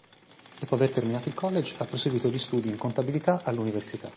Dopo aver terminato il college, ha proseguito gli studi in contabilità all'università.